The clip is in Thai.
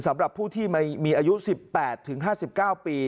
สำหรับผู้ที่มีอายุ๑๘๕๙ปี